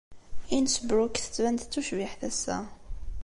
Innsbruck tettban-d d tucbiḥt ass-a.